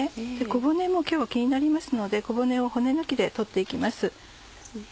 小骨も今日は気になりますので小骨を骨抜きで取って行きます。